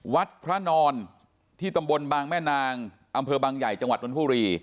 วัดพระนอนที่ตำบลบางแม่นางอำเภอบางใหญ่จังหวัดนทบุรี